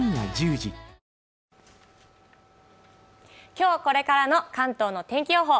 今日これからの関東の天気予報。